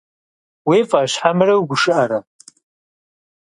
Уи фӏэщ хьэмэрэ угушыӏэрэ?